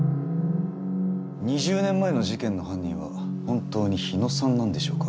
２０年前の事件の犯人は本当に日野さんなんでしょうか。